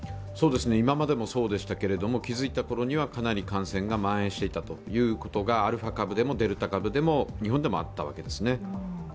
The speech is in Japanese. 今までもそうでしたけれども、気づいた頃にはかなり感染が蔓延していたということがアルファ株でもデルタ株でも、日本でもあったわけですね。